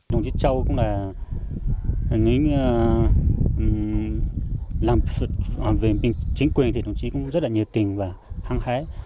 đồng chí châu cũng là hình như là làm về chính quyền thì đồng chí cũng rất là nhiệt tình và hăng hãi